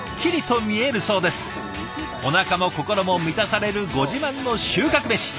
おなかも心も満たされるご自慢の収穫メシ